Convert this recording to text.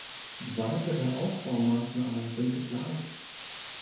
Weitere Ausbaumaßnahmen sind geplant.